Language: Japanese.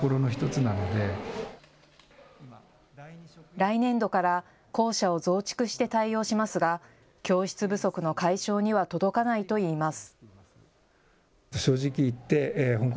来年度から校舎を増築して対応しますが教室不足の解消には届かないといいます。